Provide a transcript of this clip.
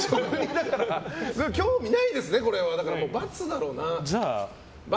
興味ないですね、これは。×だろうな。